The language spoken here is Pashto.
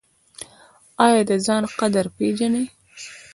ایا د ځان قدر پیژنئ؟